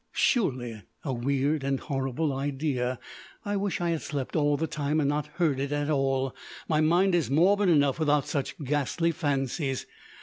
Surely a weird and horrible idea! I wish I had slept all the time and not heard it at all. My mind is morbid enough without such ghastly fancies.